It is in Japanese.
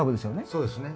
そうですね。